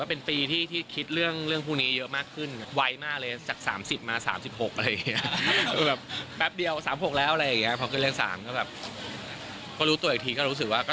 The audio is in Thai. พอรู้ตัวอีกทีก็รู้สึกว่า